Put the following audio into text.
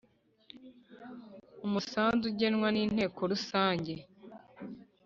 umusanzu ugenwa n Inteko Rusange